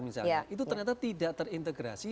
itu ternyata tidak terintegrasi